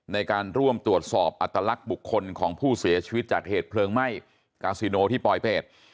ในการร่วมตรวจสอบอัตลักษณ์บุคคลของผู้เสียชีวิตจากเหตุเพลิงไหม้กาซิโนที่ปลอยเป็ด